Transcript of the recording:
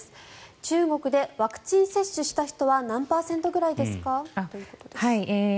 中国でワクチン接種をした人は何パーセントぐらいですか？ということです。